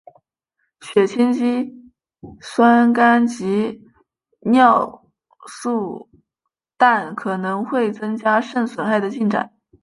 血清肌酸酐及尿素氮可能会增加肾损害的进展。